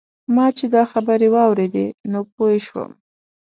ما چې دا خبرې واورېدې نو پوی شوم.